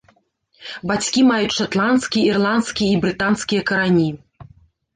Бацькі маюць шатландскія, ірландскія і брытанскія карані.